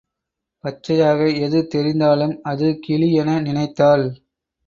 பச்சையாக எது தெரிந்தாலும் அது கிளி என நினைத்தாள்.